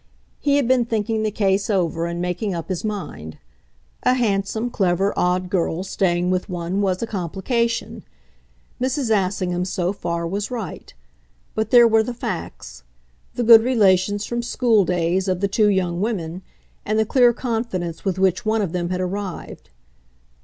He had been thinking the case over and making up his mind. A handsome, clever, odd girl staying with one was a complication. Mrs. Assingham, so far, was right. But there were the facts the good relations, from schooldays, of the two young women, and the clear confidence with which one of them had arrived.